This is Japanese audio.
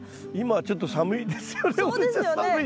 今ちょっと寒いですよね。